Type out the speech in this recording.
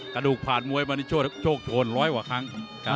กระดูกผ่านมวยมานี่โชคโชนร้อยกว่าครั้ง